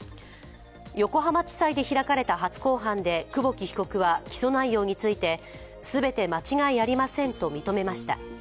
横浜地裁で開かれた初公判で久保木被告は起訴内容について全て間違いありませんと認めました。